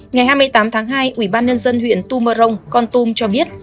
ngày hai mươi tám tháng hai ubnd huyện tu mơ rông con tum cho biết